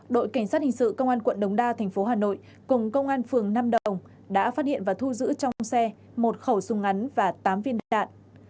đội cảnh sát hình sự công an quận đống đa thành phố hà nội cùng công an phường năm đồng đã phát hiện và thu giữ trong xe một khẩu súng ngắn và tám viên đạn